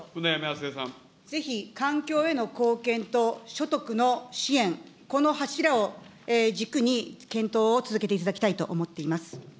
ぜひ環境への貢献と所得の支援、この柱を軸に検討を続けていただきたいと思っています。